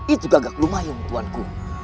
itu gagak lumayan tuanku